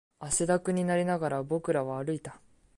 汗だくになりながら、僕らは歩いた